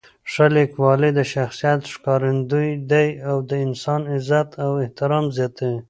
ښه لیکوالی د شخصیت ښکارندوی دی او د انسان عزت او احترام زیاتوي.